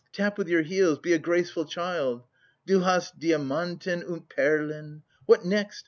_ Tap with your heels, be a graceful child! "Du hast Diamanten und Perlen "What next?